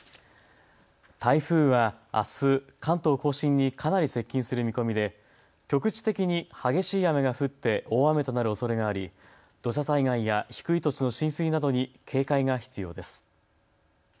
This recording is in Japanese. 台風はあす関東甲信にかなり接近する見込みで局地的に激しい雨が降って大雨となるおそれがあり土砂災害や低い土地の浸水などに警戒が必要です。